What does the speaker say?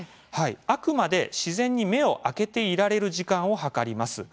あくまで、自然に目を開けていられる時間を計ります。